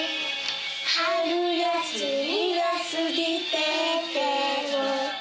「春休みが過ぎてけば」